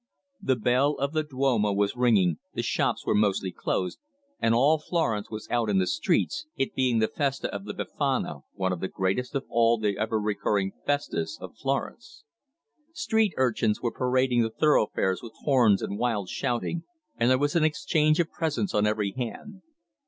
The bell of the Duomo was ringing, the shops were mostly closed, and all Florence was out in the streets, it being the Festa of the Befana, one of the greatest of all the ever recurring festas of Florence. Street urchins were parading the thoroughfares with horns and wildly shouting, and there was an exchange of presents on every hand.